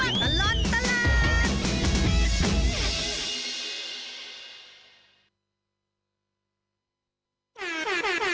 ชั่วตลอดตลาด